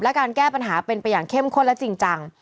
และการแก้ปัญหาเป็นไปอย่างเข้มข้นและจริงจัง